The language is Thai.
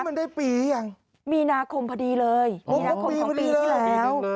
นี่มันได้ปียังมีนาคมพอดีเลยมีนาคมของปีที่แล้วปีนึงเลย